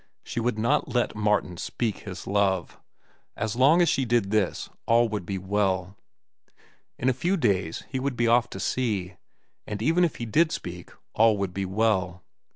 She would not let Martin speak his love. As long as she did this, all would be well. In a few days he would be off to sea. And even if he did speak, all would be well.